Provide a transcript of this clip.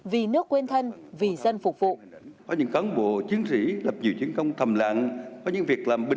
vì nước quên thân vì dân phục vụ